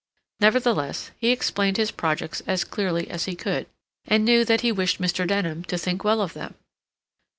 Nevertheless, he explained his projects as clearly as he could, and knew that he wished Mr. Denham to think well of them.